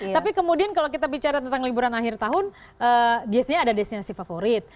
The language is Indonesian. tapi kemudian kalau kita bicara tentang liburan akhir tahun biasanya ada destinasi favorit